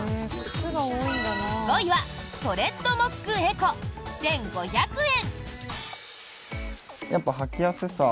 ５位は、トレッドモックＥＣＯ１５００円。